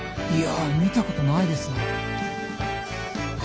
いや見たことないですね。